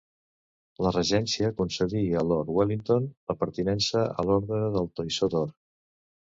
La Regència concedí a lord Wellington la pertinença a l'Orde del Toisó d'Or.